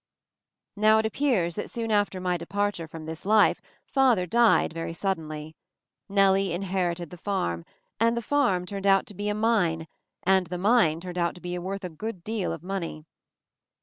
Now it appears that soon after my de parture from this life father died, very sud denly. Nellie inherited the farm — and the farm turned out to be a mine, and the mine turned out to be worth a good deal of money.